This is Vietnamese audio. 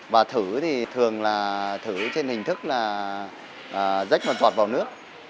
và thử thì thường là thử trên hình thức là rách mà chọt vào nước